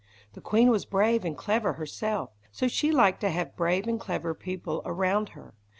The queen was brave and clever herself, so she liked to have brave and clever people around her.